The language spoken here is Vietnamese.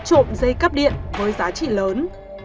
như xảy ra vụ mất trộm dây cắp điện với giá trị lớn